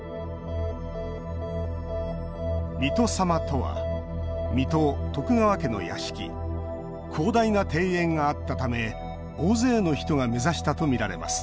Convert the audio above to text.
水戸様とは水戸徳川家の屋敷広大な庭園があったため大勢の人が目指したとみられます。